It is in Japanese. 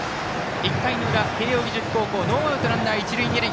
１回の裏、慶応義塾高校ノーアウト、ランナー、一塁二塁。